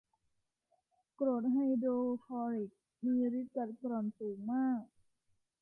กรดไฮโดรคลอริก มีฤทธิ์กัดกร่อนสูงมาก